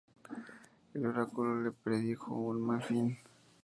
El oráculo le predijo un ""mal fin"".